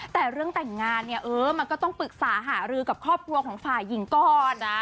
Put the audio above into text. แต่เรื่องแต่งงานเนี่ยเออมันก็ต้องปรึกษาหารือกับครอบครัวของฝ่ายหญิงก่อนนะ